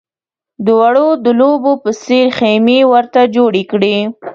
د وړو د لوبو په څېر خېمې ورته جوړې کړې.